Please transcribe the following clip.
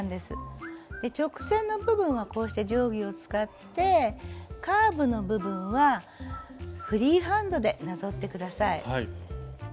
直線の部分はこうして定規を使ってカーブの部分はフリーハンドでなぞって下さい。